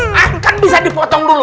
nanti kan bisa dipotong dulu